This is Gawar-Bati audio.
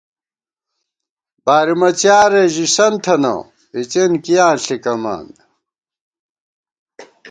بارِمہ څیارے ژِسَن تھِتہ ، اِڅِن کیاں ݪِکَمان